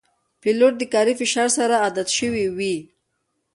پیلوټ د کاري فشار سره عادت شوی وي.